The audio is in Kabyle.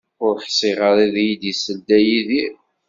Ur ḥsiɣ ara ad iyi-d-isel Dda Yidir